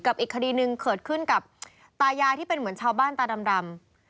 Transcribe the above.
อีกคดีหนึ่งเกิดขึ้นกับตายายที่เป็นเหมือนชาวบ้านตาดำ